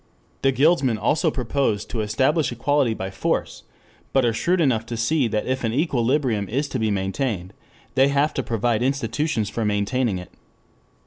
The guildsmen also propose to establish equality by force, but are shrewd enough to see that if an equilibrium is to be maintained they have to provide institutions for maintaining it.